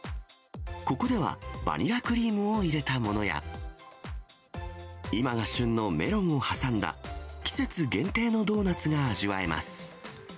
ここではバニラクリームを入れたものや、今が旬のメロンを挟んだ、季節限定のドーナツが味わえます。